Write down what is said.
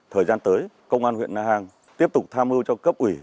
thời gian tới công an huyện na hàng tiếp tục tham mưu cho cấp ủy